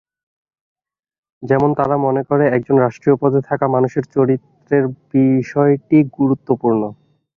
যেমন তারা মনে করে একজন রাষ্ট্রীয় পদে থাকা মানুষের চরিত্রের বিষয়টি গুরুত্বপূর্ণ।